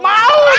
ya mau dong